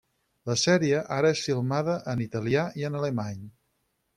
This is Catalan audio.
La sèrie ara és filmada en Italià i en alemany.